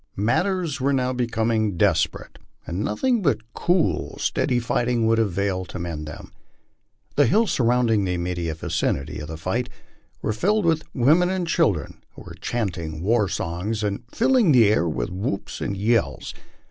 Matters were now becoming desperate, and nothing but cool, steady fight ing would avail to mend them. The hills surrounding the immediate vicinity of the figkt were filled with women and children, who were chanting war songs and filling the air with whoops and yells.